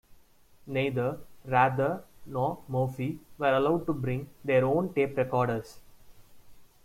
Neither Rather nor Murphy were allowed to bring their own tape recorders.